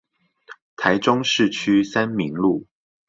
台中市區三民路